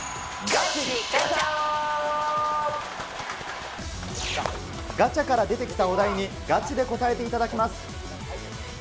ガチャから出てきたお題にガチで答えていただきます。